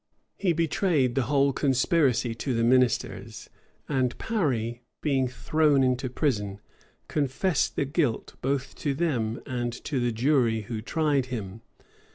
He betrayed the whole conspiracy to the ministers; and Parry, being thrown into prison, confessed the guilt both to them and to the jury who tried him.